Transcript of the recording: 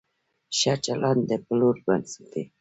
ښه چلند د پلور بنسټ دی.